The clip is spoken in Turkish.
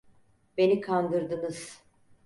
Beni kandırdınız.